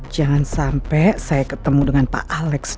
jangan sampe saya ketemu dengan pak alex disini